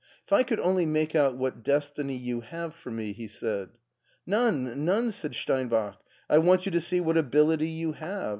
" If I could only make out what destiny yoti have for me," he said. "None, none," said Steinbach. "I want you to see what ability you have.